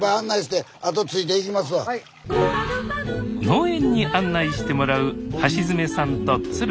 農園に案内してもらう橋爪さんと鶴瓶さん。